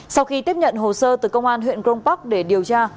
sau khi tiếp nhận hồ sơ từ công an huyện grong park để điều tra